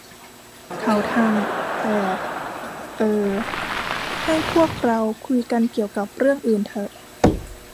เขาทำ แต่ เอ่อ ให้พวกเราคุยกันเกี่ยวกับเรื่องอื่นเถอะ